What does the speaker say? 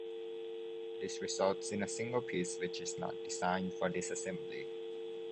This results in a single piece which is not designed for disassembly.